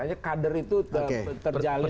hanya kader itu terjalin